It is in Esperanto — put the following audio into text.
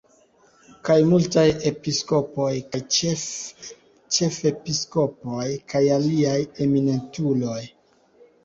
Kaj multaj episkopoj kaj ĉefepiskopoj kaj aliaj eminentuloj.